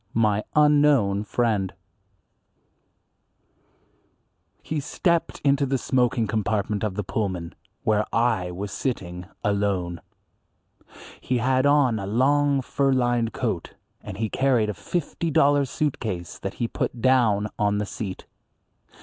IV. My Unknown Friend HE STEPPED into the smoking compartment of the Pullman, where I was sitting alone. He had on a long fur lined coat, and he carried a fifty dollar suit case that he put down on the seat.